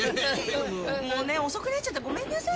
もうね遅くなっちゃってごめんなさいね。